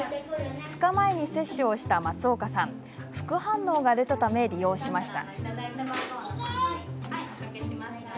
２日前に接種をした松岡さん副反応が出たため利用しました。